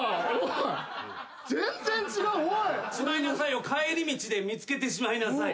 しまいなさいを帰り道で見つけてしまいなさい。